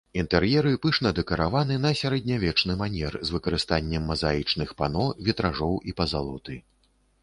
Інтэр'еры пышна дэкараваны на сярэднявечны манер з выкарыстаннем мазаічных пано, вітражоў і пазалоты.